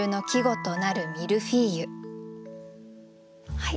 はい。